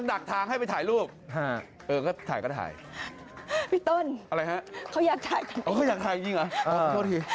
พี่ต้นอะไรฮะเขาอยากถ่ายกันอีกอ๋อเขาอยากถ่ายกันอีกหรอโทษที